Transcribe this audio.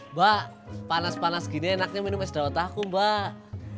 mbak panas panas gini enaknya minum es daun aku mbak